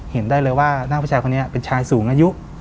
เห็นได้เลยว่าหน้าผู้ชายคนนี้เป็นชายสูงอายุ